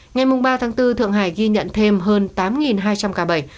ngày ba bốn thượng hải ghi nhận thêm hơn tám hai trăm linh ca bệnh